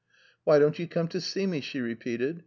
Why don't you come to see me? " she repeated.